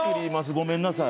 ごめんなさい。